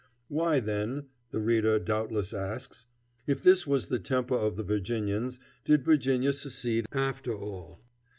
Why, then, the reader doubtless asks, if this was the temper of the Virginians, did Virginia secede after all?